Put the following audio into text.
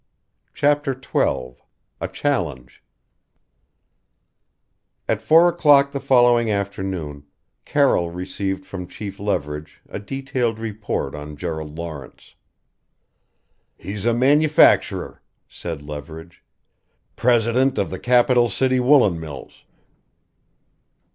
CHAPTER XII A CHALLENGE At four o'clock the following afternoon Carroll received from Chief Leverage a detailed report on Gerald Lawrence: "He's a manufacturer," said Leverage. "President of the Capitol City Woolen Mills.